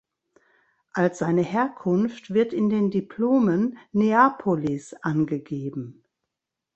Als seine Herkunft wird in den Diplomen "Neapolis" angegeben.